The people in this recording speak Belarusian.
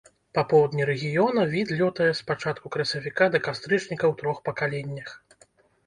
Па поўдні рэгіёна від лётае з пачатку красавіка да кастрычніка ў трох пакаленнях.